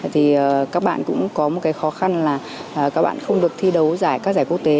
thì các bạn cũng có một cái khó khăn là các bạn không được thi đấu giải các giải quốc tế